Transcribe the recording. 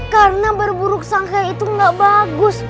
karena berburuk sangka itu nggak bagus